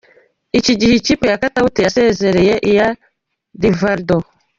Iki gihe ikipe ya Katauti yasezereye iya Rivaldo.